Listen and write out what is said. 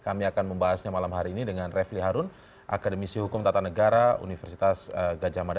kami akan membahasnya malam hari ini dengan refli harun akademisi hukum tata negara universitas gajah mada